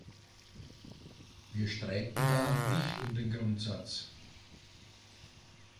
Wir streiten da nicht um den Grundsatz.